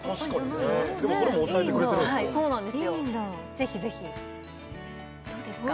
ぜひぜひいいんだどうですか？